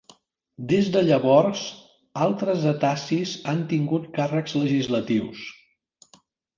Des de llavors, altres atassis han tingut càrrecs legislatius.